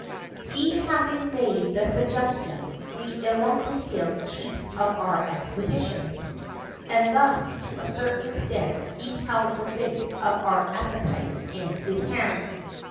He having made the suggestion, we elected him chief of our expeditions, and thus to a certain extent he held the fate of our appetites in his hands.